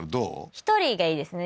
１人がいいですね